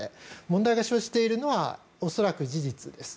問題が生じているのは恐らく事実です。